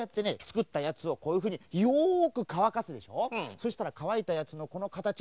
そしたらかわいたやつのこのかたち